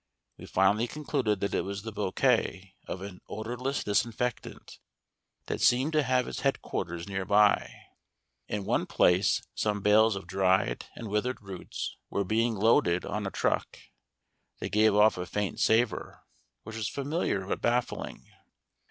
We finally concluded that it was the bouquet of an "odourless disinfectant" that seemed to have its headquarters near by. In one place some bales of dried and withered roots were being loaded on a truck: they gave off a faint savour, which was familiar but baffling.